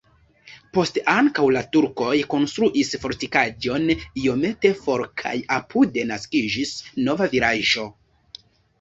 Poste ankaŭ la turkoj konstruis fortikaĵon iomete for kaj apude naskiĝis nova vilaĝo.